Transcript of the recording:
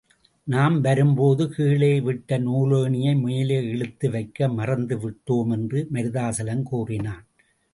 நாம் வரும்போது கீழே விட்ட நூலேணியை மேலே இழுத்து வைக்க மறந்துவிட்டோம் என்று மருதாசலம் கூறினான்.